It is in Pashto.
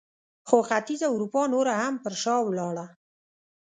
خو ختیځه اروپا نوره هم پر شا ولاړه.